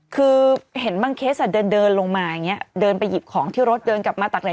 คือเห็นบางเคสเดินลงมาเดินไปหยิบของที่รถเดินกลับมาตักไหน